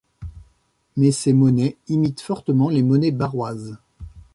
Mais ses monnaies imitent fortement les monnaies barroises.